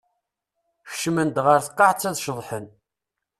Kecmen-d ɣer tqaɛett ad ceḍḥen.